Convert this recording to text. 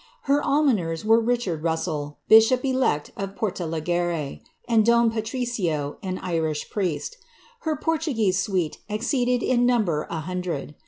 Her almoners were Richird Russell, bishop elect of Portalegre, and don Patricio, an Irish priest Ilcr Portuj^uese suite exceeded in number a hundred.